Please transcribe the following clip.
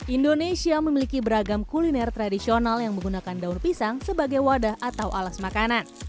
indonesia memiliki beragam kuliner tradisional yang menggunakan daun pisang sebagai wadah atau alas makanan